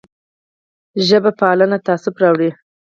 ژب پالنه تعصب راوړي